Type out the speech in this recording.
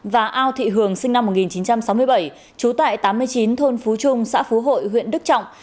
và ao thị hường sinh năm một nghìn chín trăm sáu mươi bảy trú tại tám mươi chín thôn phú trung xã phú hội huyện đức trọng